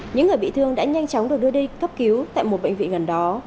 những người bị thương đã nhanh chóng được đưa đi cấp cứu tại một bệnh viện gần đó